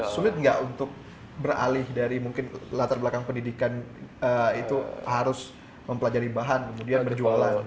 sulit nggak untuk beralih dari mungkin latar belakang pendidikan itu harus mempelajari bahan kemudian berjualan